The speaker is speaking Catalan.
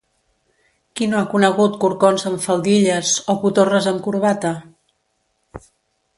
Qui no ha conegut corcons amb faldilles o cotorres amb corbata?